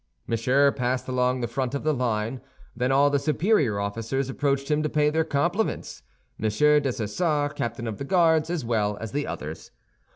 Monsieur passed along the front of the line; then all the superior officers approached him to pay their compliments, M. Dessessart, captain of the Guards, as well as the others.